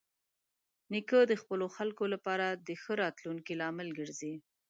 نیکه د خپلو خلکو لپاره د ښه راتلونکي لامل ګرځي.